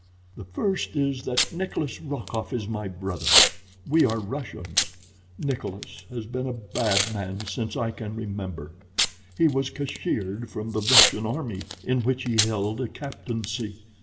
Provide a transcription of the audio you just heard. The first is that Nikolas Rokoff is my brother. We are Russians. Nikolas has been a bad man since I can remember. He was cashiered from the Russian army, in which he held a captaincy.